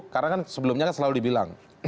karena kan sebelumnya selalu dibilang